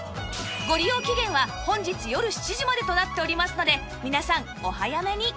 ご利用期限は本日よる７時までとなっておりますので皆さんお早めに